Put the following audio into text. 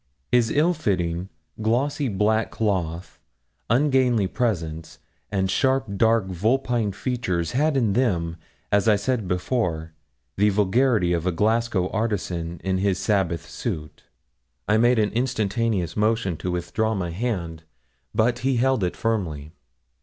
His ill fitting, glossy black cloth, ungainly presence, and sharp, dark, vulpine features had in them, as I said before, the vulgarity of a Glasgow artisan in his Sabbath suit. I made an instantaneous motion to withdraw my hand, but he held it firmly.